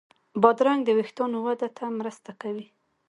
بادرنګ د وېښتانو وده ته مرسته کوي.